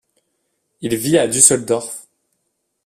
Il vit à Düsseldorf.